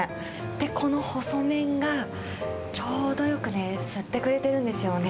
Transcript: この細麺が、ちょうどよく吸ってくれてるんですよね。